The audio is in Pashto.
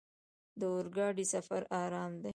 د اورګاډي سفر ارام دی.